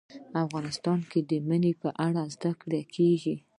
افغانستان کې د منی په اړه زده کړه کېږي.